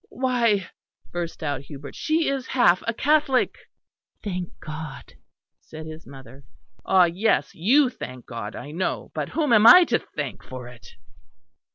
"Why," burst out Hubert, "she is half a Catholic." "Thank God," said his mother. "Ah! yes; you thank God, I know; but whom am I to thank for it?"